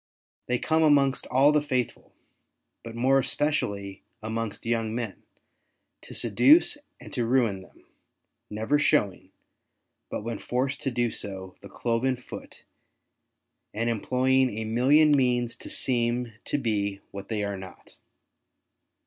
They come amongst all the faithful, but more especially amongst young men, to seduce and to ruin them, never showing, but when forced to do so, the cloven foot, and employing a million means to seem to be what they are not.